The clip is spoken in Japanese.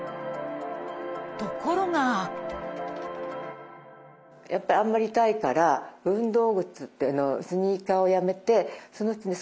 ところがやっぱりあんまり痛いから運動靴っていうのをスニーカーをやめてそのうちね